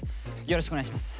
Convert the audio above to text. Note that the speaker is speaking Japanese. よろしくお願いします。